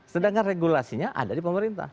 sedangkan regulasinya ada di pemerintah